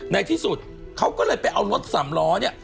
ในที่สุดเขาก็เลยไปเอารถสามล้อเนี่ย